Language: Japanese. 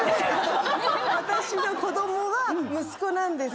私の子供は息子なんです。